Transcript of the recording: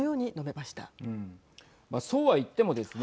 まあ、そうは言ってもですね